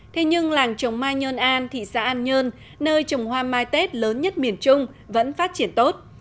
thế nhưng làng trồng mai nhơn an thị xã an nhơn nơi trồng hoa mai tết lớn nhất miền trung vẫn phát triển tốt